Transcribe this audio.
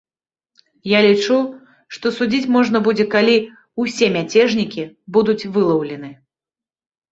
Я лічу, што судзіць можна будзе, калі ўсе мяцежнікі будуць вылаўлены.